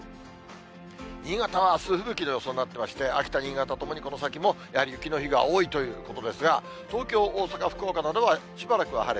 新潟はあす吹雪の予想になっていまして、秋田、新潟ともにこの先もやはり雪の日が多いということですが、東京、大阪、福岡などは、しばらくは晴れ。